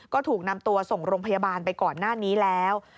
ก็ถูกนำตัวส่งโรงพยาบาลไปก่อนหน้านี้แล้ว